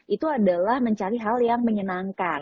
itu adalah mencari hal yang menyenangkan